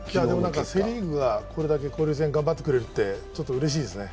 セ・リーグがこれだけ交流戦頑張ってくれるってちょっとうれしいですね。